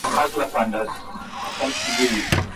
Kwa hakika nimefurahia mafundisho.